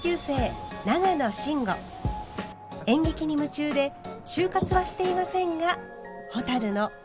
演劇に夢中で就活はしていませんがほたるのよき相談相手です。